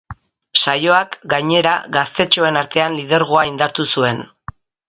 Saioak, gainera, gaztetxoen artean lidergoa indartu zuen.